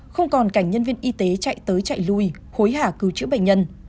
không còn cảnh nhân viên y tế chạy tới chạy lui hối hả cứu chữa bệnh nhân